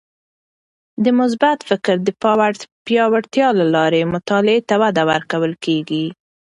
د مثبت فکر د پیاوړتیا له لارې مطالعې ته وده ورکول کیږي.